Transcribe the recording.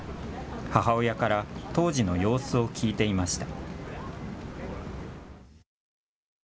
母親から当時の様子を聞いていました。